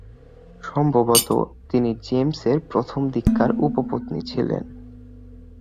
সম্ভবত, তিনি জেমসের প্রথমদিককার উপপত্নী ছিলেন।